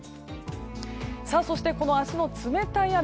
そして、この明日の冷たい雨